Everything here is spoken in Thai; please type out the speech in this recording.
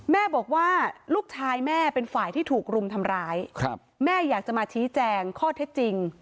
แม่บอกว่าลูกชายแม่เป็นฝ่ายที่ถูกรุมทำร้ายแม่อยากจะมาชี้แจงข้อเท็จจริง